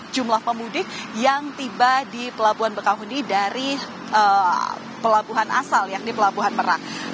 jumlah pemudik yang tiba di pelabuhan bekahuni dari pelabuhan asal yakni pelabuhan merak